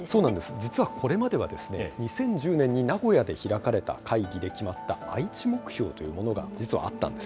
実はこれまでに２０１０年に名古屋で開かれた会議で決まった愛知目標というものが実はあったんです。